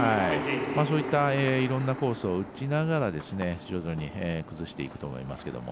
そういったいろんなコースを打ちながら徐々に崩していくと思いますけれども。